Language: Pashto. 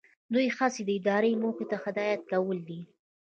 د دوی هڅې د ادارې موخې ته هدایت کول دي.